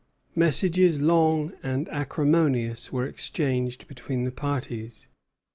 Messages long and acrimonious were exchanged between the parties.